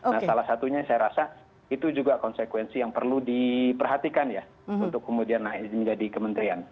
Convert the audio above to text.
nah salah satunya saya rasa itu juga konsekuensi yang perlu diperhatikan ya untuk kemudian naik menjadi kementerian